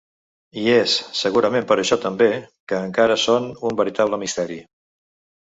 I és, segurament per això també, que encara són un veritable misteri.